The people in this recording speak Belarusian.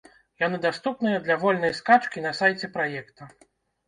Яны даступныя для вольнай скачкі на сайце праекта.